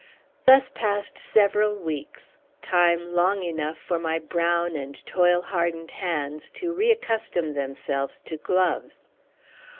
Thus passed several weeks; time long enough for my brown and toil hardened hands to reaccustom themselves to gloves.